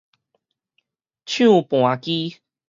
唱盤機